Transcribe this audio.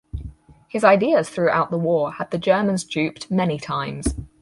His ideas throughout the war had the Germans duped many times.